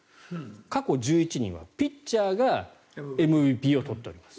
過去１１人はピッチャーがＭＶＰを取っております。